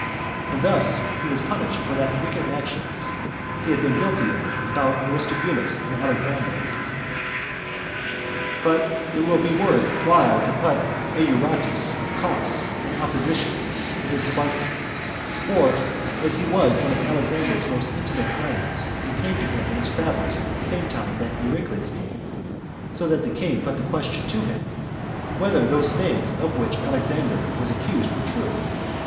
And thus was he punished for what wicked actions he had been guilty of about Aristobulus and Alexander. 5. But it will now be worth while to put Euaratus of Cos in opposition to this Spartan; for as he was one of Alexander's most intimate friends, and came to him in his travels at the same time that Eurycles came; so the king put the question to him, whether those things of which Alexander was accused were true?